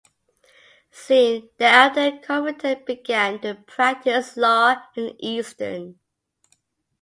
Soon thereafter, Covington began to practice law in Easton.